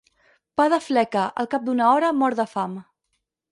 Pa de fleca, al cap d'una hora mort de fam.